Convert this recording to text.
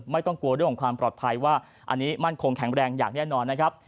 ไม่ต้องกลัวเรื่องของความปลอดภัยว่าอันนี้มั่นคงแข็งแรงอย่างแน่นอนนะครับ